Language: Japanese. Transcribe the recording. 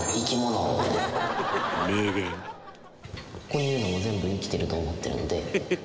ここにいるのも全部生きてると思ってるので。